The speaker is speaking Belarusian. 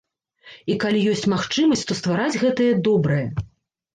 І калі ёсць магчымасць, то ствараць гэтае добрае.